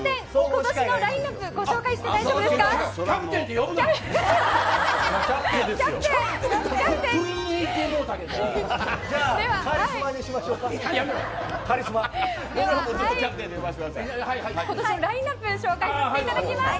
今年のラインアップ紹介させていただきます。